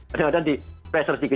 kemudian di pressure sedikit